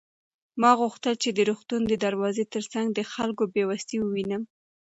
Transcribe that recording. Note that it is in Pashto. ما غوښتل چې د روغتون د دروازې تر څنګ د خلکو بې وسي ووینم.